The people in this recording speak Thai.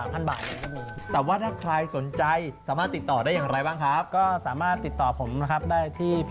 ก็จะเริ่มต้นตั้งแต่ประมาณ๓๐๐๐บาท